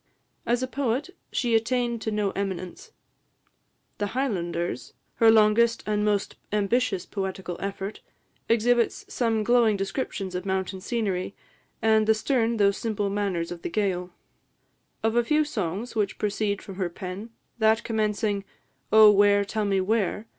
As a poet, she attained to no eminence. "The Highlanders," her longest and most ambitious poetical effort, exhibits some glowing descriptions of mountain scenery, and the stern though simple manners of the Gaël. Of a few songs which proceed from her pen, that commencing, "Oh, where, tell me where?"